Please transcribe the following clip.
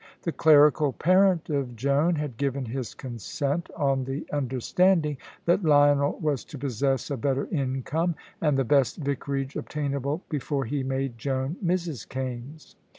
The clerical parent of Joan had given his consent, on the understanding that Lionel was to possess a better income and the best vicarage obtainable before he made Joan Mrs. Kaimes.